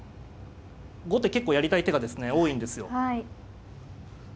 後手結構やりたい手がですね多いんですよ。